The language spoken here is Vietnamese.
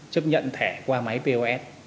chấp nhận thẻ qua máy post